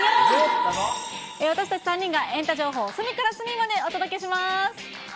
私たち３人がエンタ情報を隅から隅までお届けします。